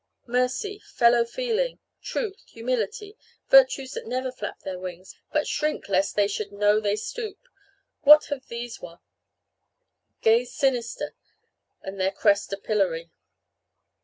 Mercy, fellow feeling, truth, humility, virtues that never flap their wings, but shrink lest they should know they stoop, what have these won? Gaze sinister, and their crest a pillory.